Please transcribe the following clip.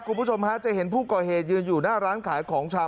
คุณผู้ชมฮะจะเห็นผู้ก่อเหตุยืนอยู่หน้าร้านขายของชำ